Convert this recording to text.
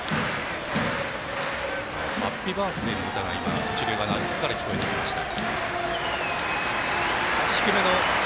ハッピーバースデーの歌が今、一塁側のアルプスから聞こえました。